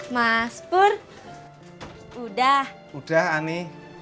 mas pur udah udah aneh